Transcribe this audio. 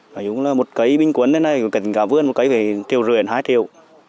nói dung là một cây binh quấn đến đây cây cám vườn một cây về triệu rưỡi là hai triệu